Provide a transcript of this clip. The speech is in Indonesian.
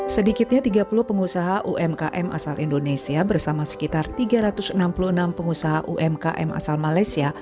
sedikitnya tiga puluh pengusaha umkm asal indonesia bersama sekitar tiga ratus enam puluh enam pengusaha umkm asal malaysia